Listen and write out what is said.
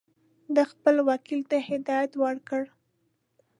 ده خپل وکیل ته هدایت ورکړ.